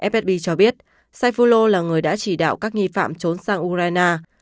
fsb cho biết saifulo là người đã chỉ đạo các nghi phạm trốn sang ukraine